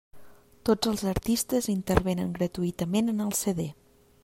Tots els artistes intervenen gratuïtament en el CD.